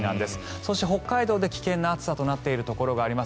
そして、北海道で危険な暑さとなっているところがあります。